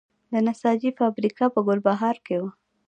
د نساجي فابریکه په ګلبهار کې وه